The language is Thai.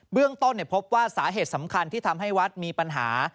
เรื่องต้นพบว่าสาเหตุสำคัญที่ทำให้วัดมีปัญหา